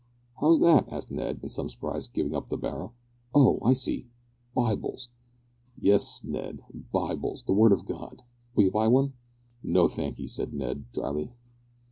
"How's that?" asked Ned, in some surprise, going up to the barrow; "oh! I see, Bibles." "Yes, Ned, Bibles, the Word of God. Will you buy one?" "No, thank 'ee," said Ned, drily.